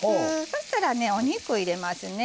そしたらねお肉入れますね。